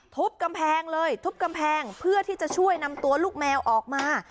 ทุบกำแพงเลยทุบกำแพงเพื่อที่จะช่วยนำตัวลูกแมวออกมา